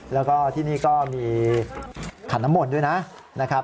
แล้วก็ที่นี่ก็มีขันน้ำมนต์ด้วยนะครับ